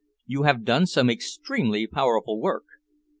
"You have done some extremely powerful work!"